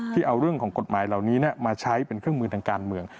เอาเรื่องของกฎหมายเหล่านี้มาใช้เป็นเครื่องมือทางการเมือง